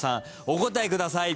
お答えください。